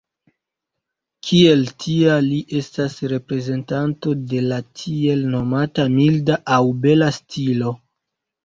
Kiel tia li estas reprezentanto de la tiel nomata milda aŭ bela stilo.